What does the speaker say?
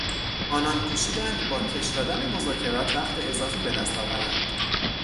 آنان کوشیدند با کش دادن مذاکرات وقت اضافی به دست آورند.